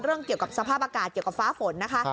เกี่ยวกับสภาพอากาศเกี่ยวกับฟ้าฝนนะคะ